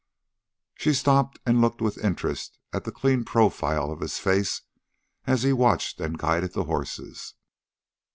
She stopped and looked with interest at the clean profile of his face as he watched and guided the horses.